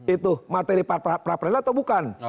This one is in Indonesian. itu materi pra peradilan atau bukan